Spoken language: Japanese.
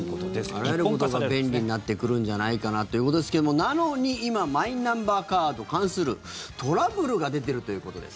あらゆることが便利になってくるんじゃないかなということですけどもなのに今マイナンバーカードに関するトラブルが出ているということです。